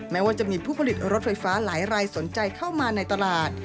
แม้ว่าจะมีผู้ผลิตรถไฟฟ้าหลายรายสนใจเข้ามาในตลาด